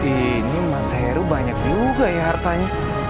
ini mas heru banyak juga ya hartanya